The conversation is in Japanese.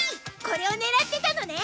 これを狙ってたのね。